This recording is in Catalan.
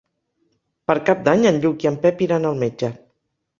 Per Cap d'Any en Lluc i en Pep iran al metge.